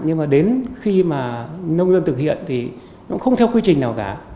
nhưng mà đến khi mà nông dân thực hiện thì nó cũng không theo quy trình nào cả